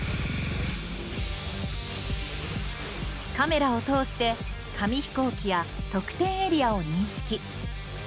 カメラを通して紙飛行機や得点エリアを認識。